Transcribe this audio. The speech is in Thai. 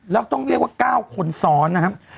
แล้วต้องเรียกว่า๙คนซ้อนนะครับ